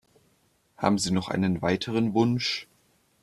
Haben Sie noch einen weiteren Wunsch?